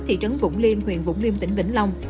thị trấn vũng liêm huyện vũng liêm tỉnh vĩnh long